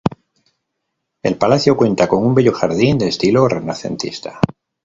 El palacio cuenta con un bello Jardín de estilo renacentista.